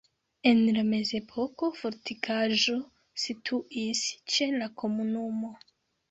En la mezepoko fortikaĵo situis ĉe la komunumo.